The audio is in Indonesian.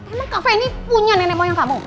ini ni punya nenek moyang kamu